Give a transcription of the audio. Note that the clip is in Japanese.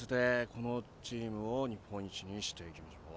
このチームを日本一にしていきましょう。